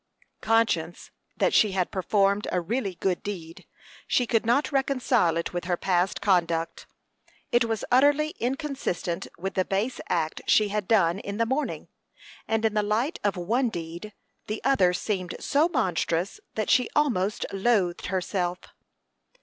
Conscious that she had performed a really good deed, she could not reconcile it with her past conduct. It was utterly inconsistent with the base act she had done in the morning; and in the light of one deed the other seemed so monstrous that she almost loathed herself.